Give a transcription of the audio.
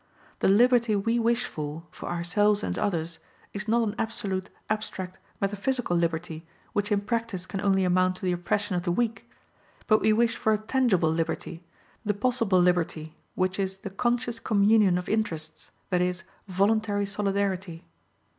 The liberty we wish for, for ourselves and others, is not an absolute, abstract, metaphysical liberty, which in practice can only amount to the oppression of the weak. But we wish for a tangible liberty, the possible liberty, which is the conscious communion of interests, that is, voluntary solidarity.